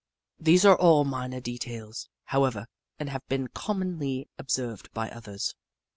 These are all minor details, however, and have been commonly observed by others.